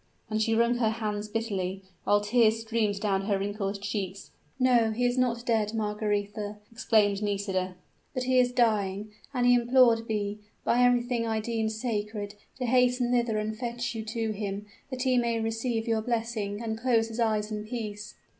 And she wrung her hands bitterly, while tears streamed down her wrinkled cheeks. "No, he is not dead, Margaretha!" exclaimed Nisida; "but he is dying and he implored me, by everything I deemed sacred, to hasten thither and fetch you to him, that he may receive your blessing and close his eyes in peace."